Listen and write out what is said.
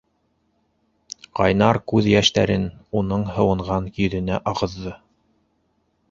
Ҡайнар күҙ йәштәрен уның һыуынған йөҙөнә ағыҙҙы.